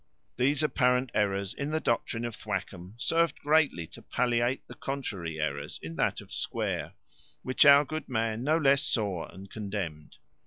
These apparent errors in the doctrine of Thwackum served greatly to palliate the contrary errors in that of Square, which our good man no less saw and condemned.